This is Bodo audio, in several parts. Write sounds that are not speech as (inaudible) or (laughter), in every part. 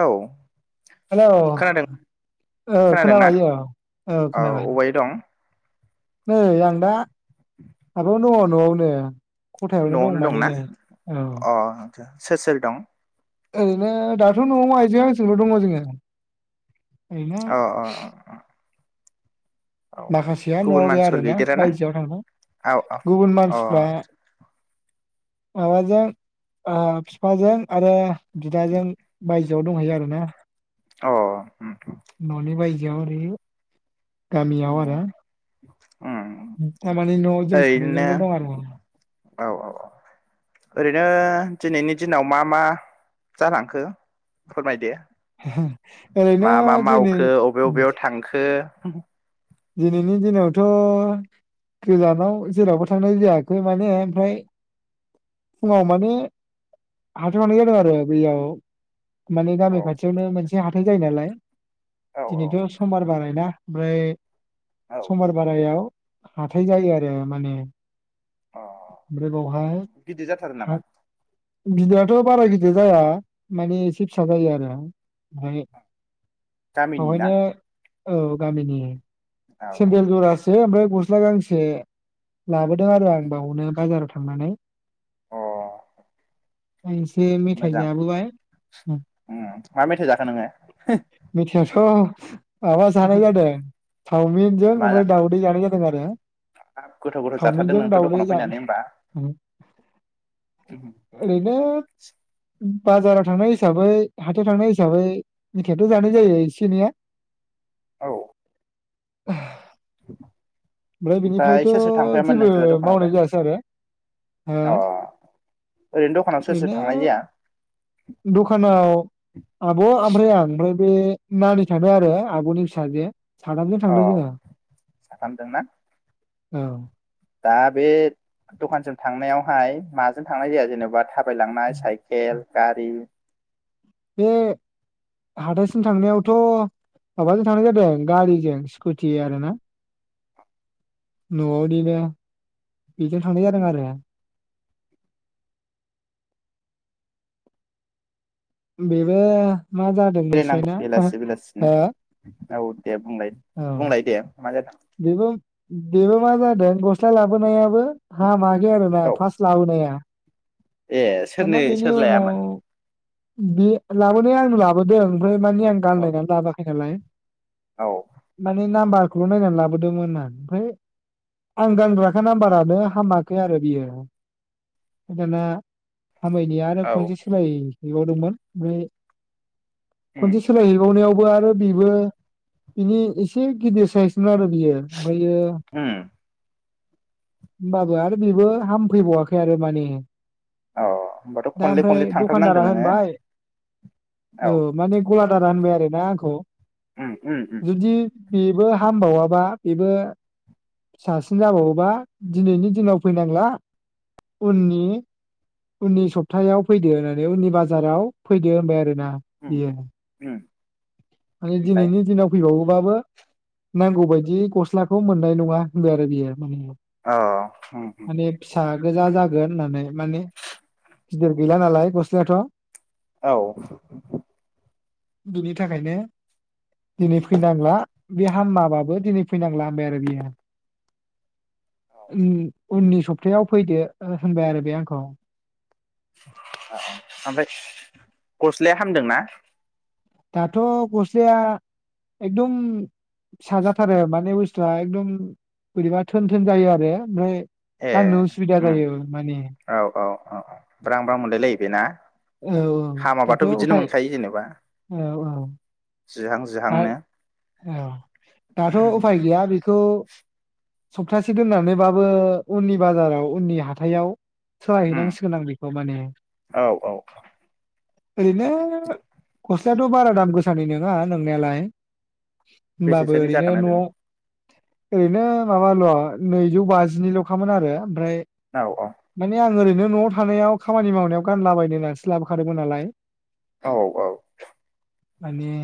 औ हेलो खोनादों ओ खोनादोंना खोनाबाय औ औ खोनाबायो। अबाय दं नै आं दा माबायावनो दङ नआवनो खथायावनो दं नआवनो माने दंना? नै औ अ सेर सेर दं? ओरैनो दाथ नआव आइजो आंजोंल दङ जोङो। (unintelligible) औ औ औ। माखासेया गुबुन नआव गैया मानसिफोर आरोना गैदेराना बायजोआव थांबाय। औ गुबुन औ मानसिफ्रा अ माबाजों ओ फिफाजों आरो बिदाजों बायजो (unintelligible) दंहैयो आरो ना अ ननि बाय (unintelligible) गामियाव आरो उम उम थारमाने नआव जों ओरैनो सानैजोंल दं आरो औ औ ओरैनो दिनैनि दिनाव मा मा जालांखो फोरमायदो ओरैनो मा मा दिनै मावखो अबे अबेआव थांखो। दिनैनि दिनावथ' गोजानाव जेरावबो थांनाय जायाखै माने ओमफ्राय फुङाव माने हाथायाव थांनाय जादों आरो बैयाव माने औ गामि खाथियावनो मोनस से हाथाय जायो नालाय औ दिनैथ समबार बाराय दा ओमफ्राय औ समबार बारायाव। हाथाय जायो आरो माने अ ओमफ्राय बावहाय गिदिर जाथारो हा नामा बिदा थ बारा गिदिर जाया माने एसे फिसा जायो आरो। ओमफाय गामिनि ना बावहायनो औ गामिनि औ सेन्देल जरासे। से ओमफ्राय गस्ला गांसे लाबोदों आरो आं। बावनो बाजाराव थांनानै अ आं एसे मेथाइ मोजां जाबोबाय उम मा मेथाइ जाखो नोङो मेथायाव थ। माबा जानाय जादों चावमिनजों मा ओमफ्राय जाखो दाउदै जानाय जादों आरो गोथाव गोथाव जाथारदों चावमिनजों नोंथ' दाउदै। दखानाव (unintelligible) फैनानै होमबा ओरैनो। बाजाराव थांनाय हिसाबै हाथायाव थांनाय हिसाबै मिथायाथ जानाय जायो एसे एनैया औ ओह (unintelligible) (unintelligible) ब्राय बिनिफ्रायथ ओमफ्राय सोर सोर थांफायामोन जेबो नोंसोरलाय मावनाय दखानावलाय जायासै आरो हो अ ओरैनो दखानाव सोर सोर ओरैनो थांनाय जाया दखानाव आब' ओमफ्राय आं ओमफ्राय बे नानि थांदों आरो आब'नि फिसाजो साथामजों औ थांदों जोङो साथामजोंना औ। दा बे दखानसिम थांनायावहाय माजों थांनाय जाया जेनबा थाबायलांनाय साइकेल। गारि बे हाथायसिम थांनायावथ माबाजों थांनाय जादों गारिजों स्कुटि आरोना। न'निनो। बेजों थांनाय जादों आरो बेबो मा जादों मोनथिबाय बेरायनांगौ ना हो बेलासि बेलासिनो औ दे बुंलाय औ बुंलाय दे मा जादों? बेबो बेबो मा जादों गस्ला लाबोनायाबो हामासखै आरो ना औ फास लाबोनाया। ए दाना सोरनि बेनि सोर उनाव लायामोन? बे लाबोनाया आंनो लाबोदों। ओमफ्राय मानि आं औ गाननायनानै लाबा खैनालाय औ नाम्बारखौल नायनानै लाबोदोंमोना ओमफाय आं गानग्राखा नाम्बारानो हामाखै आरो बियो ओमफाय दाना हामैनि आरो औ खनसे सोलाय बिबावदोंमोन ओमफ्राय उम खनसे सोलाय हैबावनायाव बो आरो बेबो बिनि एसे गिदिर साइजमोन आरो बेयो ओमफायो। उम होमबाबो आरो बेबो हामफैबावाखै आरो माने अ होमबाथ' दा खनले खनले ओमफ्राय थांथारनांदों दखानदारा नोङो होनबाय औ माने गलादारा होनबाय आरोना आंखौ उम उम उम जुदि बेबो हामबावाबा बेबो फिसासिन जाबावोबा दिनैनि दिनाव फैनांला उननि उननि सप्तायाव फैदो होननानै उननि बाजाराव फैदो होनबाय आरो ना उम बेयो। उम माने ओमफ्राय दिनैनि दिनाव फै (unintelligible) नांगौ बायदि गस्लाखौ मोननाय नंङा होनबाय आरो बेयो माने अ उम उम माने फिसा गोजा जागोन होननानै माने गिदिर गैला नालाय गस्लायाथ' औ बिनि थाखायनो दिनै फैनांला बे हामाबाबो दिनै फैनांला होनबाय आरो बियो उम उननि सपतायाव फैदो ओ होनबाय आरो बे आंखौ ओ ओमफाय गस्लाया हामदोंना? दाथ गस्लाया एकदम फिसाजाथारो माने बुस्थुआ एकदम बोरैबा थोन थोन जायो आरो ओमफ्राय ए गाननो उसुबिदा जायो माने अ अ ब्रां ब्रां मोनलायलायो बे ना? औ औ दाथ उफाय जेनेबा औ औ जिहां आइ जिहांनो औ दाथ' उफाय गैया बेखौ सप्तासे दोननानैबाबो उननि बाजाराव उननि हाथायाव उम सहायहैनांसिगोन आं बेखौ माने औ औ ओरैनो खस (unintelligible) बारा दाम गोसानि नङा नों नायालाय होमबाबो बेसेसोनि ओरैनो जागोन न ओरैनो माबाल' नैजौ बाजिनिल'खामोन आरो ओमफ्राय औ औ मानि आल ओरैनो न'आव थानायाव खामानि मावनायाव गानलाबायनो होन्नानैसो लाबोखादोंमोन नालाय। औ औ माने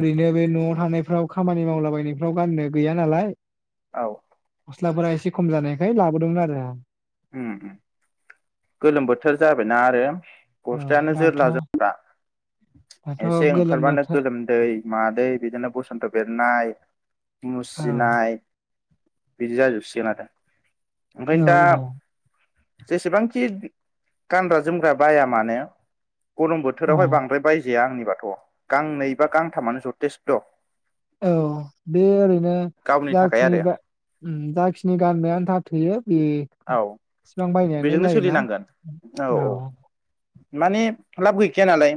ओरैनो बे न'आव थानायब फ्राव खामानि मावलाबायनायफ्राव गाननो गैया नालाय। औ गस्लाफोरा एसे खम जानायखाय लाबोदोंमोन आरो आं उम-उम गोलोम बोथोर जाबायना आरो औ गस्लायानो दाथ' जोरला जोम्रा दाथ' एसे गोलोम ओंखारबानो बोथोर गोलोम दै मादै बिदिनो बसन्थ बेरनाय औ मुसिनाय बिदि जाजोबसिगोन आरो ओंखायनो औ दा जेसेबांखि गानग्रा जोमग्रा बाया मानो गरम औ बोथोरावहाय बांद्राय जाया आंनि बाथ गांनै बा गांथामानो जथेस्थ औ बे ओरैनो गावनि थाखाय जाखिनि आरो जाखिनि गान्नो आनथा थोयो बे औ इसिबां बायनायानो बेजोंनो जायोना सोलिनांगोन औ माने लाब गैखाया नालाय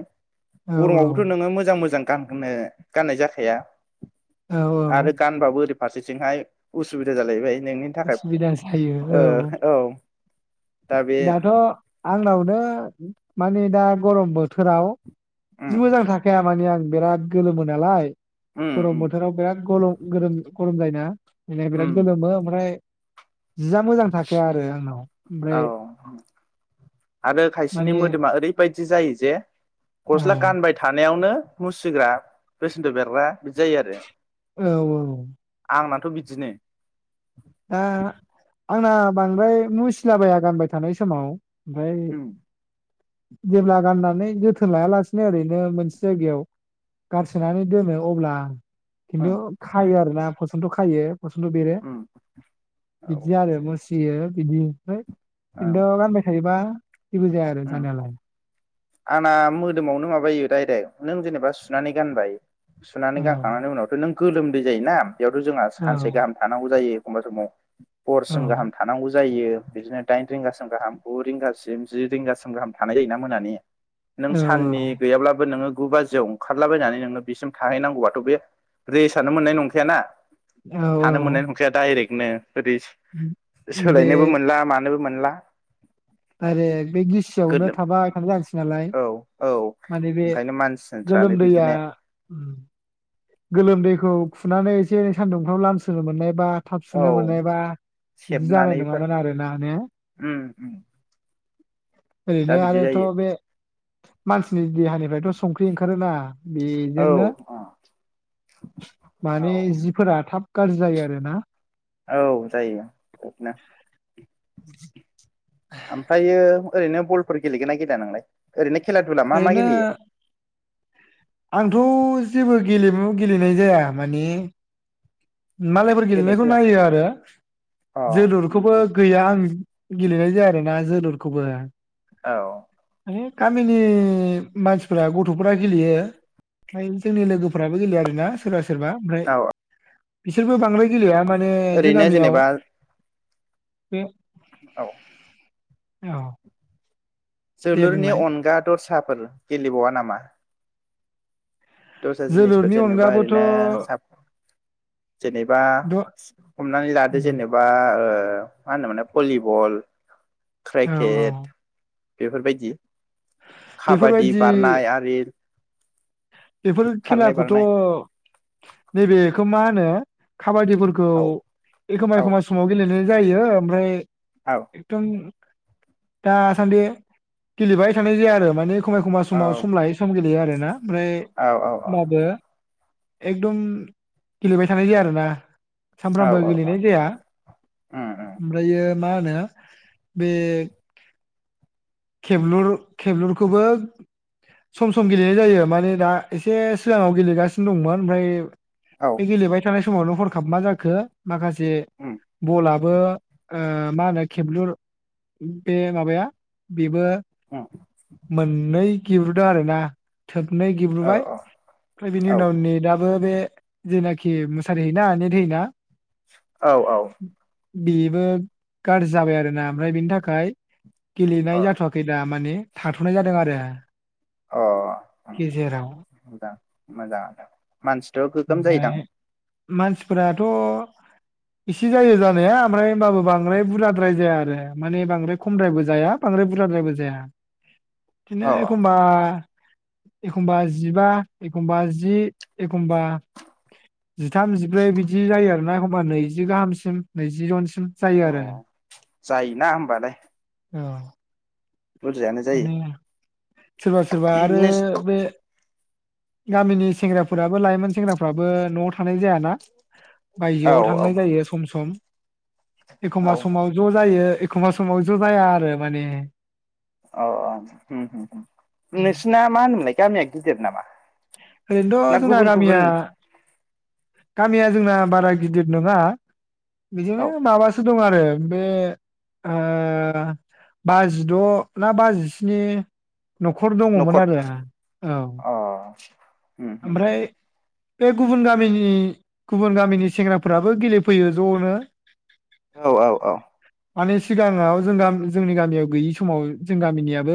औ गरमावबोथ नोङो मोजां-मोजां गाननो गाननाय जाखाया औ । आरो गानबाबो ओरै फारसेथिंहाय उसुबिदा जालायबाय नोंनि थाखाय उसुबिदा जायो। ओ औ दा बे दाथ‌ आंनावनो माने दा गरम बोथोराव उम जि‌ मोजां थाखाया थारमाने आं बिराद गोलोमो नालाय उम गरम उम बोथोराव बिराद गलम गोरोम गरम जायोना। इनाय उम बिराद गोलोमो ओमफ्राय जिया मोजां थाखाया आरो आंनाव औ ओमफ्राय। आरो खायसेनि माने मोदोमा ओरैबायदि जायो जे औ गस्ला गानबाय था बेयावनो मुसिग्रा बेसेनट बेरग्रा बिदि जायो आरो औ औ आंना। थ बिदिनो दा आंना बांद्राय मुसिलाबाया गानबाय थानाय समाव ओमफाय उम जेब्ला गाननानै जोथोन लायालासिनो ओरैनो मोनसे जायगायाव गारसोनानै दोनो अब्ला खिन्थु उम खायो आरो ना फस जथ खायो खसलु बेरो उम औ बिदि आरो मुसियो बिदि है ओं खिन्थु गानबाय थायोबा सिबो जाया आरो उम (inaudible) आंना मोदोमावनो माबायो डाइरेक्ट नों जेनेबा सुनानै गानबाय। सुनानै औ गानखांनानै उनावथ नों गोलोमदै जायोना बेयावथ जोंहा औ सानसे गाहाम थानांगौ जायो खमबा समाव हरसिम गाहाम थानांगौ जायो बिदिनो दाइन रिंगासिम गाहाम गु रिंगासिम जि रिंगासिम गाहाम थानाय जायोना मोनानि नों औ साननि गैयाब्लाबो नोङो गु बाजियाव ओंखारलाबायनानै नोंनो बेसिम थाहैनांगौबाथ' बे रेसानो मोननाय नंखायाना। औ हानो मोननाय औ नंखाया डाइरेक्ट। नो ओरै बे सोलायनोबो मोनला मानो नोबो मोनला आरे बे गोलो गिसियावनो थाबाय थानाय जानोसै ना? लाय औ औ माने बे ओंखायनो मानसिफ्रानो गोलोमदैया बिदिनो गोलोमदैखौ खुनानै एसे सानदुंफ्राव लान्सोनो मोननाय बा थाब सुनो औ मोननायबा बिदि जानाय सेबनानैफोर नङामोन आरोना ने? उम उम दा ओरैनो बिदि आरोथ जायो बे मानसिनि देहानिफ्रायथ संख्रि ओंखारोना। औ। बेजोंनो औ माने जिफोरा थाब गाज्रि जायो आरोना। औ जायो बिदिनो (inaudible) ओमफ्रायो ओरैनो बलफोर गेलेगोनना गेलेया नोंलाय ओरैनो खेला दुला मा मा ओरैनो गेलेयो? आंथ' जेबो गेलेमु गेलेनाय जाया माने मालायफोर गेलेनाय गेलेनायखौ जाया नायो आरो अ उम जोलुरखौबो उम गैया आं गेलेनाय जाया आरो ना जोलुरखौबो। औ गामिनि मानसिफ्रा गथ'फोरा गेलेयो ओमफ्राय जोंनि लोगोफोराबो गेलेयो आरोना सोरबा सोरबा ओमफ्राय औ बिसोरबो बांद्राय या माने जों ओरैनो गामियाव जेनेबा बे औ। औ दे जोलुरनि बुंलाय अनगा दर साब फोर गेलेबावा नामा? दस्रा जिनिसफोर जोलुरनि जेनेबा अनगाबोथ' ओरैनो साब जेनेबा द हमनानै लादो जेनेबा ओ मा होनोमोन भलिबल औ औ क्रिकेट बेफोरबायदि खाबादि बेफोरबायदि बारनाय आरि बेफोर खारनाय खेलाखौथ बारनाय नैबेखौ मा होनो? खाबादिफोरखौ औ एखमबा औ एखमब समाव गेलेनो जायो ओमफ्राय औ एकदम दासान्दि गेलेबाय थानाय जाया आरो माने एखमब्ला एखमब्ला औ समाव सम लायो सम गेलेयो आर ना ओमफ्राय औ माबो एकदम गेलेबाय थानाय जाया आरोना औ सानफ्रामबो औ गेलेनाय जाया उम उम ओमफ्रायो मा होनो बे खेबलुर खेबलुरखौबो सम सम गेलेनाय जायो माने दा एसे सिगाङाव गेलेगासिनो दंमोन ओमफ्राय औ बे गेलेबाय थानाय समावनो हरखाब मा जाखो माखासे उम बलाब मा होनो खेबलुर बे माबाया बेबो उम मोननै गिब्रुदो आरो ना थोबनै औ गेब्रुबाय ओमफ्राय बिनि औ उनाव नेदाबो बे जेनाखि मुसारि हैना नेेद होयो ना औ औ बेबो गाज्रि जाबाय आरोना ओमफ्राय बेनि थाखाय अ नाय जाथवाखै दा माने थाथनाय जादों आरो। अ उम गेजेराव मोजां मोजाङानो। मानसिथ गोगोम ओमफ्राय जायोदां मानसिफोराथ इसे जायो जानाया माने होनबाबो बांद्राय बुरजाद्राय जाया आरो माने बांद्राय खमद्रायबो जाया बांद्राय बुरजाद्रायबो जाया। औ बिदिनो एखमबा एखमबा जिबा एखमबा जि एखमबा जिथाम जिब्रै बिदि जायो आरोना एखमबा नैजि गाहामसिम नैजि उनसि (unintelligible) जायो अ आरो जायोना होमबालाय। औ बुरजायानो जायो माने सोरबा सोरबा आरो बे गामिनि सेंग्राफोराबो लाइमोन सेंग्राफ्राबो नआव थानाय जायाना। औ बायजोआव थांनाय जायो सम सम औ एखमबा समाव ज' जायो। एखमबा समाव ज जाया आरो माने औ आ उम नोंसिना मा होनो मोनलाय गामिया गिदिर नामा रैथ ना जोंना गुबुन गामिया गुबुन गामिया जोंना बारा गिदिर नोङा बिदिनो औ माबा सो दं आरो बे ओ बाजद ना बाजिस्नि नखर दङमोन न'खर आरो औ अ म- म. ओमफ्राय बे गुबुन गामिनि गुबुन गामिनि सेंग्राफोराबो गेलेफैयो जनो औ औ औ माने सिगाङाव जों जोंनि गामियाव गैयि समाव जों गामिनियाबो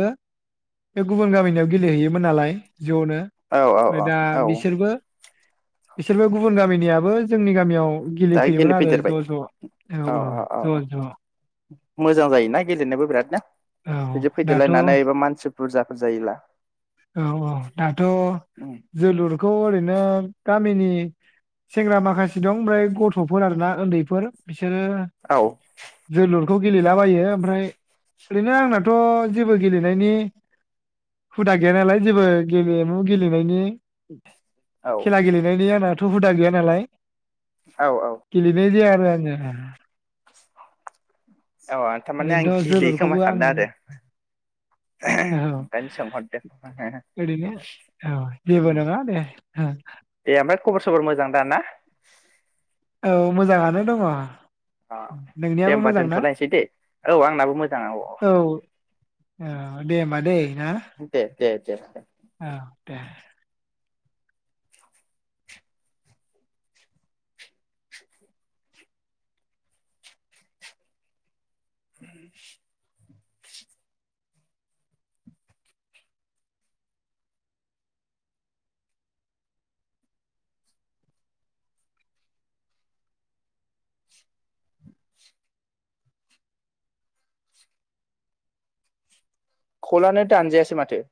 बे गुबुन गामिनियाव गेलेहैयोमोन नालाय जनो औ औ ओमफाय औ दा औ बिसोरबो बिसोरबो गुबुन गामिनियाबो जोंनि गामियाव दा गेलेफैयोमोन आरो ज' गेलेफैदेरबाय ज' औ औ ज' ज' मोजां जायोना गेलेनोबो बिरादनो औ दाथ औ बुरजाफोर जायोब्ला औ दाथ उम, जोलुरखौ ओरैनो गामिनि सेंग्रा माखासे दं ओमफ्राय गथ'फोर आरो ना उन्दैफोर बिसोरो औ जोलुर बे खौ गेलेलाबायो ओमफ्राय ओरैनो आंनाथ जेबो गेलेनायनि हुदा गैया नालाय जेबो गेलेमु गेलेनायनि औ खेला गेलेनायनि आंना थ हुदा गैया नालाय। औ गेलेनाय जाया (unintelligible) औ थारमाने आं ओरैनोथ' गेलेयोखोमा जोलुरखौबो आं सानों औ ओंखायनो सोंहरदो ओरैनो औ जेबो नङा दे दे ओमफ्राय खबर सबर मोजां दा ना औ मोजाङानो दङ अ दे नोंनियाबो होनोमबा मोजां ना दोनथलायसै दे औ आंनाबो मोजां औ औ औ दे होमबा दै ना दे दे दे औ दे (inaudible) खलानो दानजायासै माथो?